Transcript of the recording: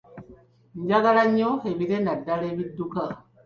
Njagala nnyo ebire naddala ebidduka.